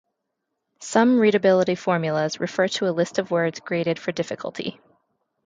Some readability formulas refer to a list of words graded for difficulty.